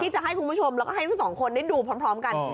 จะให้คุณผู้ชมแล้วก็ให้ทั้งสองคนได้ดูพร้อมกัน